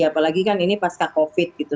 apalagi kan ini pasca covid gitu